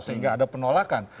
sehingga ada penolakan